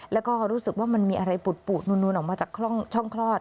แล้วก็รู้สึกว่ามันมีอะไรปูดนูนออกมาจากช่องคลอด